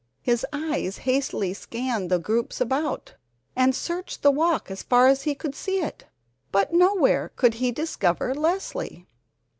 His eyes hastily scanned the groups about, and searched the walk as far as he could see it, but nowhere could he discover Leslie.